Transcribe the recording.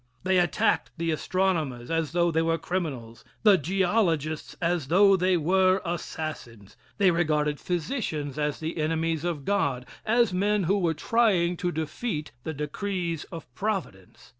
They attacked the astronomers as though they were criminals the geologists as though they were assassins. They regarded physicians as the enemies of God as men who were trying to defeat the decrees of Providence.